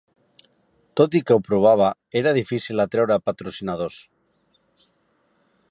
Tot i que ho provava, era difícil atreure patrocinadors.